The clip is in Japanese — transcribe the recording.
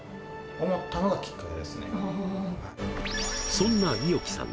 そんな伊尾木さん